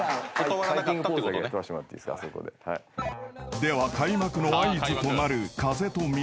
［では開幕の合図となる風と水のドッキリへ］